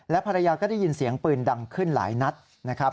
ภรรยาก็ได้ยินเสียงปืนดังขึ้นหลายนัดนะครับ